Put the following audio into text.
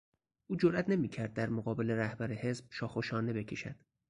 او جرات نمیکرد در مقابل رهبر حزب شاخ و شانه بکشد.